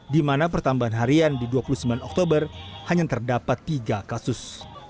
di mana pertambahan harian di dua puluh sembilan oktober hanya terdapat tiga kasus